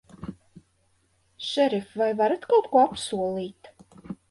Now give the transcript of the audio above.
Šerif, vai varat kaut ko apsolīt?